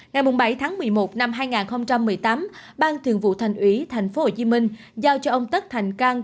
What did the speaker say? ngày bảy tháng một mươi một năm hai nghìn một mươi tám ban thường vụ thành ủy thành phố hồ chí minh giao cho ông tất thành cang